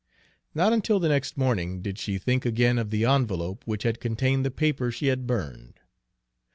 Not until the next morning did she think again of the envelope which had contained the paper she had burned.